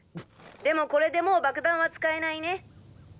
でもこれでもう爆弾は使えないね。